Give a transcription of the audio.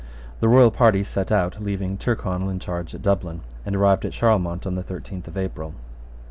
The royal party set out, leaving Tyrconnel in charge at Dublin, and arrived at Charlemont on the thirteenth of April.